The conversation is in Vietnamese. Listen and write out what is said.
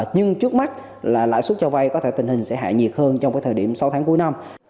nhưng trước mắt là lãi suất cho vay có thể tình hình sẽ hại nhiệt hơn trong cái thời điểm sau tháng cuối năm